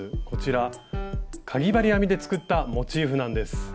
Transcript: こちらかぎ針編みで作ったモチーフなんです。